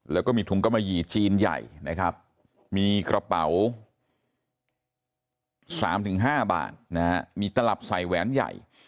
แล้วก็มีถุงกะมะหยี่จีนใหญ่นะครับมีกระเป๋า๓๕บาทนะฮะมีตลับใส่แหวนใหญ่